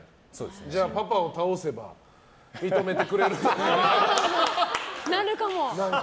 じゃあパパを倒せば認めてとか。